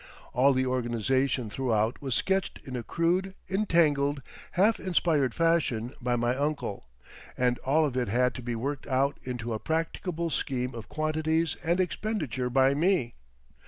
All the organisation throughout was sketched in a crude, entangled, half inspired fashion by my uncle, and all of it had to be worked out into a practicable scheme of quantities and expenditure by me.